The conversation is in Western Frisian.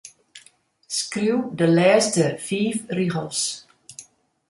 Skriuw de lêste fiif rigels.